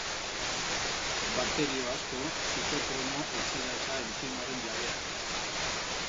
Bakterio asko zitokromo-oxidasa entzimaren jabeak dira.